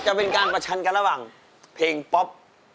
จะเป็นการประชันกันระหว่างเพลงป๊อป